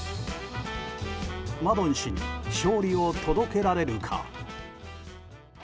マドン氏に勝利を届けられるか。